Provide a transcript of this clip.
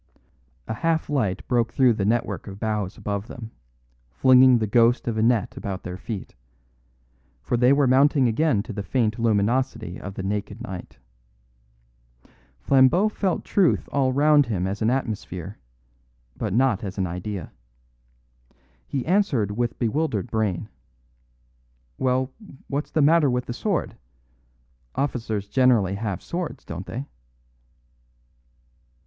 A half light broke through the network of boughs above them, flinging the ghost of a net about their feet; for they were mounting again to the faint luminosity of the naked night. Flambeau felt truth all round him as an atmosphere, but not as an idea. He answered with bewildered brain: "Well, what's the matter with the sword? Officers generally have swords, don't they?"